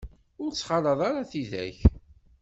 Ur ttxalaḍ ara tidak.